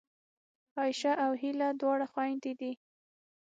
عایشه او هیله دواړه خوېندې دي